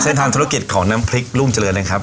ทางธุรกิจของน้ำพริกรุ่งเจริญนะครับ